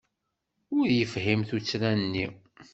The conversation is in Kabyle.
Ur yefhim tuttra-nni.